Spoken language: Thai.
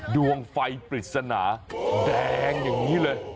ดวงไฟปริศนาแดงอย่างนี้เลย